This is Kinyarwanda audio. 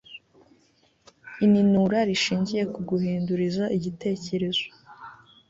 ininura rishingiye ku guhinduriza igitekerezo